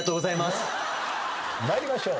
参りましょう。